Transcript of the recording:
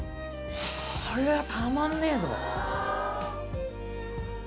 これはたまんねえぞ！